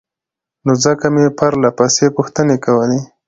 نو ځکه مې پرلهپسې پوښتنې کولې